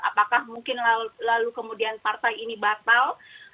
apakah mungkin lalu kemudian partai ini batal